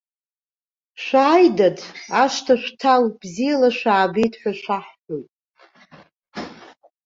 Шәааи, дад, ашҭа шәҭал, бзиала шәаабеит ҳәа шәаҳҳәоит.